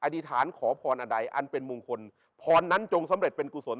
อธิษฐานขอพรอันใดอันเป็นมงคลพรนั้นจงสำเร็จเป็นกุศล